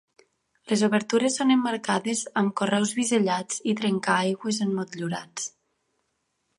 Les obertures són emmarcades amb carreus bisellats i trencaaigües emmotllurats.